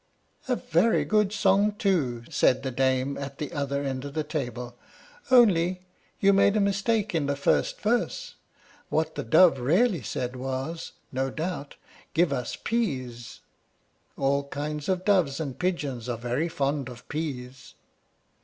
"A very good song too," said the dame, at the other end of the table; "only you made a mistake in the first verse. What the dove really said was, no doubt, 'Give us peas.' All kinds of doves and pigeons are very fond of peas."